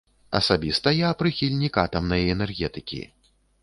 Асабіста я прыхільнік атамнай энергетыкі.